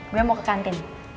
gue mau ke kantin